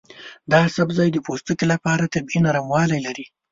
دا سبزی د پوستکي لپاره طبیعي نرموالی لري.